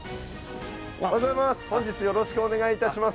おはようございます！